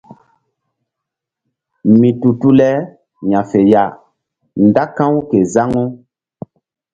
Mi tu tu le ya̧fe ya nda ka̧w ke zaŋu.